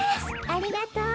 ありがとう。